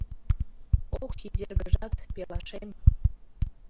— Ох, Изергыжат, пелашем